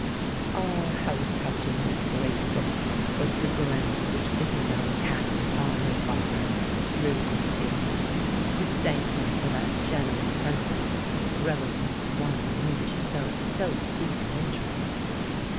Ah! how touchingly grateful was the glance which Isabella cast upon her father through her tears, to thank him for that generous sentiment relative to one in whom she felt so deep an interest!